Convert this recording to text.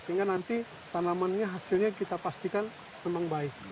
sehingga nanti tanamannya hasilnya kita pastikan memang baik